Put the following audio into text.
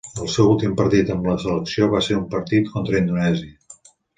El seu últim partit amb la selecció va ser en un partit contra Indonèsia.